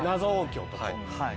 はい。